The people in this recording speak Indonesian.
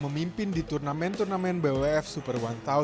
memimpin di turnamen turnamen bwf super seribu